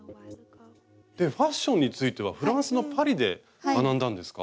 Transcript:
でファッションについてはフランスのパリで学んだんですか？